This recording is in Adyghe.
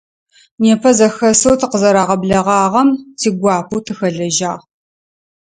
Непэ зэхэсэу тыкъызэрагъэблэгъагъэм тигуапэу тыхэлэжьагъ.